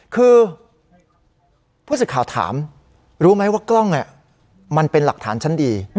คือผู้สื่อข่าวถามรู้ไหมว่ากล้องมันเป็นหลักฐานชั้นดี